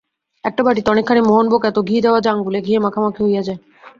একটা বাটিতে অনেকখানি মোহনভোগ, এত ঘি দেওয়া যে আঙুলে ঘিয়ে মাখামাখি হইয়া যায়।